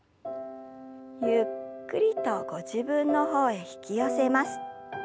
ゆっくりとご自分の方へ引き寄せます。